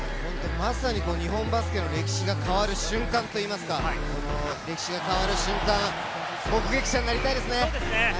まさに日本バスケの歴史が変わる瞬間といいますか、歴史が変わる瞬間、目撃者になりたいですね。